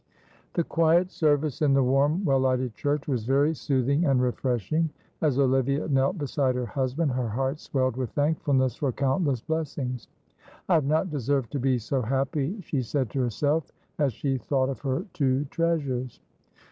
The quiet service in the warm, well lighted church was very soothing and refreshing. As Olivia knelt beside her husband, her heart swelled with thankfulness for countless blessings. "I have not deserved to be so happy," she said to herself, as she thought of her two treasures.